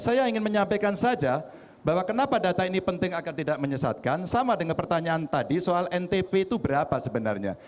saya ingin menyampaikan saja bahwa kenapa data ini penting agar tidak menyesatkan sama dengan pertanyaan tadi soal ntp itu berapa sebenarnya